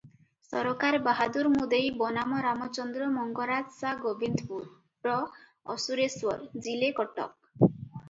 ସରକାର ବାହାଦୂର ମୁଦେଇ ବନାମ ରାମଚନ୍ଦ୍ର ମଙ୍ଗରାଜ ସା ଗୋବିନ୍ଦପୁର ପ୍ର; ଅସୁରେଶ୍ୱର, ଜିଲେ କଟକ ।